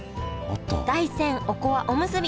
大山おこわおむすび